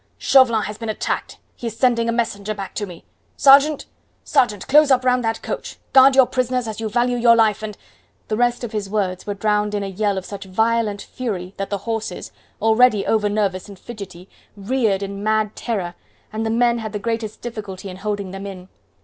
Chauvelin has been attacked; he is sending a messenger back to me. Sergeant sergeant, close up round that coach; guard your prisoners as you value your life, and " The rest of his words were drowned in a yell of such violent fury that the horses, already over nervous and fidgety, reared in mad terror, and the men had the greatest difficulty in holding them in.